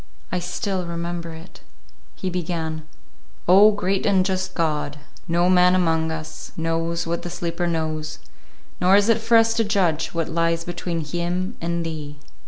I still remember it. He began, "Oh, great and just God, no man among us knows what the sleeper knows, nor is it for us to judge what lies between him and Thee."